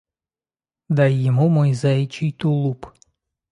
Дай ему мой заячий тулуп».